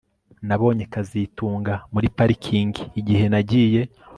Nabonye kazitunga muri parikingi igihe nagiye